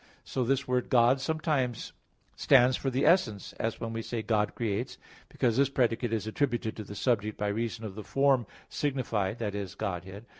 So this word "God" sometimes stands for the essence, as when we say "God creates"; because this predicate is attributed to the subject by reason of the form signified that is, Godhead.